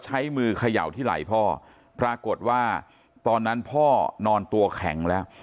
ใช้มือเขย่าที่ไหล่พ่อปรากฏว่าตอนนั้นพ่อนอนตัวแข็งแล้ว